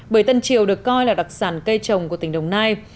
bưở tân triều được coi là đặc sản cây trồng của tỉnh đồng nai